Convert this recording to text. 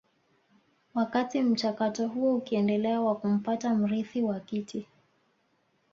Wakati mchakato huo ukiendelea wa kumpata mrithi wa kiti